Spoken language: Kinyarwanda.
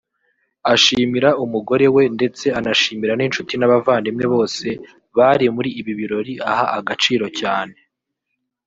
ashima Umugore we ndetse anashimira n’inshuti n’abavandimwe bose bari muri ibi birori aha agaciro cyane